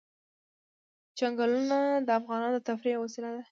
چنګلونه د افغانانو د تفریح یوه وسیله ده.